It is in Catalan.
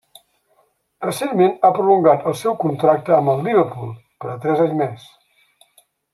Recentment ha prolongat el seu contracte amb el Liverpool per a tres anys més.